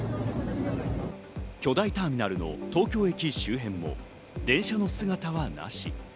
巨大ターミナルの東京駅周辺も電車の姿はなし。